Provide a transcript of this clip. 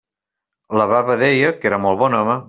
La baba deia que era molt bon home.